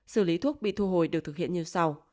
xử lý thuốc bị thu hồi được thực hiện như sau